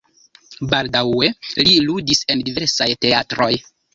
Baldaŭe li ludis en diversaj teatroj.